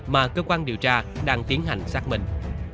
mà cơ quan điều tra đang tiến hành xác minh